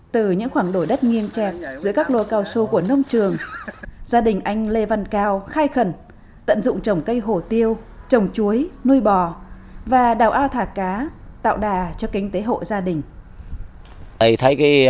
từ những khoảng đổi đất nghiêm kẹt giữa các lô cao su của nông trường gia đình anh lê văn cao khai khẩn tận dụng trồng cây hổ tiêu trồng chuối nuôi bò và đào ao thả cá tạo đà cho kinh tế hộ gia đình